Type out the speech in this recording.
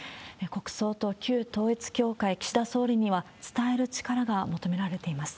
国葬と旧統一教会、岸田総理には伝える力が求められています。